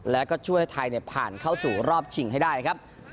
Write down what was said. แล้วก็ช่วยให้ไทยผ่านเข้าสู่รอบชิงให้ได้ครับ